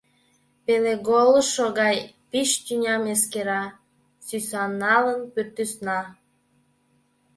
Пелеголышо гай пич тӱням Эскера сӱсаналын пӱртӱсна.